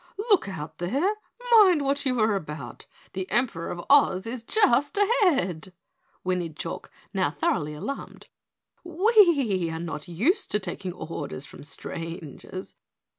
"Look out there, mind what you are about, the Emperor of Oz is just ahead!" whinnied Chalk, now thoroughly alarmed. "We are not used to taking orders from strangers."